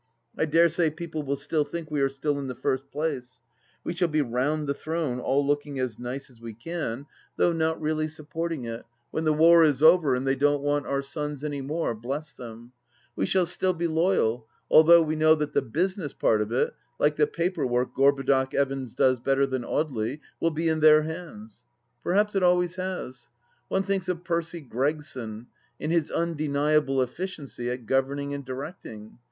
I dare say people will still think we are still in the first place — we shall be round the throne all looking as nice as we can, 20 806 THE LAST DITCH though not really supporting it, when the war is over and they don't want our sons any more, bless them I We shall still be loyal, although we know that the business part of it — like the paper work Gorboduc Evans does better than Audely — will be in their hands. Perhaps it always has 7 One thinks of Percy Gregson and his undeniable efficiency at governing and directing.